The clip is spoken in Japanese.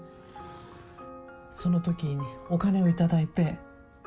そのときにお金を頂いて。